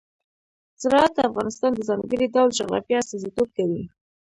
زراعت د افغانستان د ځانګړي ډول جغرافیه استازیتوب کوي.